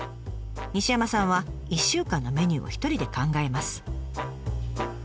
西山さんは１週間のメニューを一人で考えます。